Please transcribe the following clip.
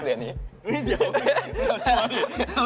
อันนี้ใช่ไหม